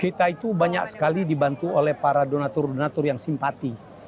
kita itu banyak sekali dibantu oleh para donatur donatur yang simpati